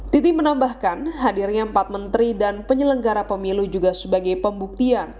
titi menambahkan hadirnya empat menteri dan penyelenggara pemilu juga sebagai pembuktian